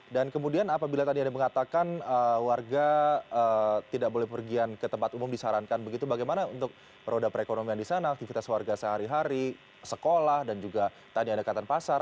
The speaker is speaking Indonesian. dan kemudian apabila tadi ada yang mengatakan warga tidak boleh pergian ke tempat umum disarankan begitu bagaimana untuk roda perekonomian di sana aktivitas warga sehari hari sekolah dan juga tanyaan dekatan pasar